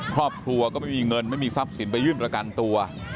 ครอบครัวก็ไม่มีเงินไม่มีทรัพย์สินไปยื่นประกันตัว